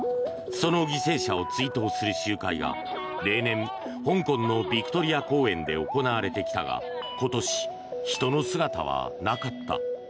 その犠牲者を追悼する集会は例年香港のビクトリア公園で行われてきたが今年、人の姿はなかった。